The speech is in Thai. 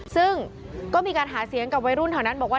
ซึ่งก็มีการหาเสียงกับวัยรุ่นแถวนั้นบอกว่า